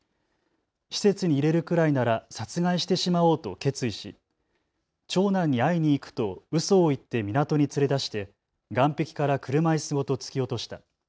施設に入れるくらいなら殺害してしまおうと決意し長男に会いに行くとうそを言って港に連れ出して岸壁から車いすごと突き落とした。